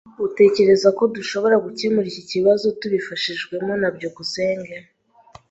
Uratekereza ko dushobora gukemura iki kibazo tutabifashijwemo na byukusenge?